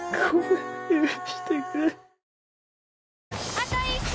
あと１周！